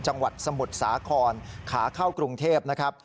จังหวัดสมุทรสาครขาเข้ากรุงเทพนะครับ